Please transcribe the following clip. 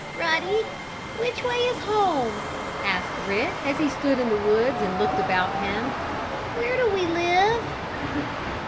"Ruddy, which way is home?" asked Rick, as he stood in the woods, and looked about him. "Where do we live?"